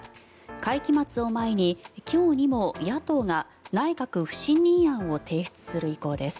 会期末を前に今日にも野党が内閣不信任案を提出する意向です。